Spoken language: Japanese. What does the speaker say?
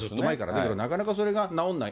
だけどなかなかそれが直んない。